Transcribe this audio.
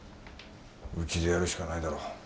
うちでやるしかないだろう。